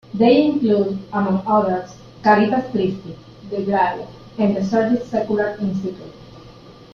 They include, among others, Caritas Christi, The Grail, and the Servite Secular Institute.